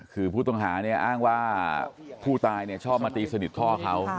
คือผู้ต้องหาเนี่ยอ้างว่าผู้ตายชอบมาตีสนิทพ่อเขา